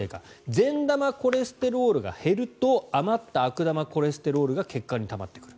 善玉コレステロールが減ると余った悪玉コレステロールが血管にたまってくる。